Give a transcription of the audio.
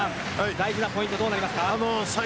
大事なポイントはどうなりますか？